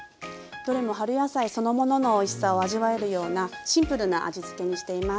どれも春野菜そのもののおいしさを味わえるようなシンプルな味付けにしています。